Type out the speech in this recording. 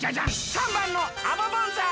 ３ばんのアボボンさん。